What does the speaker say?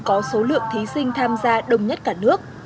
có số lượng thí sinh tham gia đông nhất cả nước